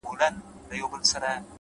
ښه تصمیمات روښانه راتلونکی جوړوي’